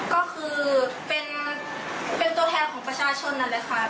ก็คือเป็นตัวแทนของประชาชนเลยค่ะ